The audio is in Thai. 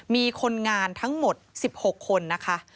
มีคนงานทั้งหมด๑๖คนนะคะ